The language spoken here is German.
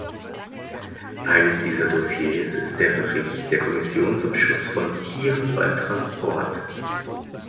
Eines dieser Dossiers ist der Bericht der Kommission zum Schutz von Tieren beim Transport.